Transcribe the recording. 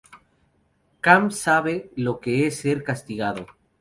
Cam sabe lo que es ser castigado.